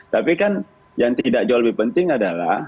tapi kan yang tidak jauh lebih penting adalah